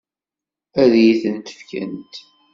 Ad iyi-ten-fkent?